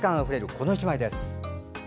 この１枚です。